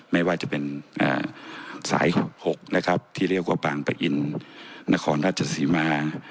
ไม่ว่าจะเป็นสาย๖๖นะครับที่เรียกว่าบางปะอินนครราชสีมา